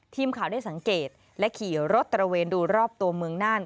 ทีมข่าวได้สังเกตและขี่รถตระเวนดูรอบตัวเมืองน่าน